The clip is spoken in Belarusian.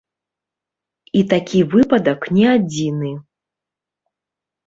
І такі выпадак не адзіны.